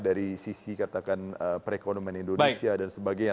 dari sisi katakan perekonomian indonesia dan sebagainya